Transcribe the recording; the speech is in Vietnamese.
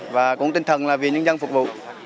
và cũng tinh thần là vì nhân dân phục vụ